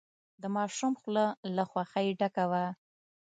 د ماشوم خوله له خوښۍ ډکه وه.